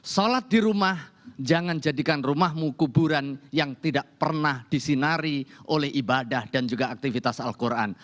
sholat di rumah jangan jadikan rumahmu kuburan yang tidak pernah disinari oleh ibadah dan juga aktivitas al quran